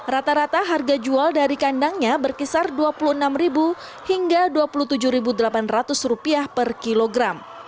rata rata harga jual dari kandangnya berkisar rp dua puluh enam hingga rp dua puluh tujuh delapan ratus per kilogram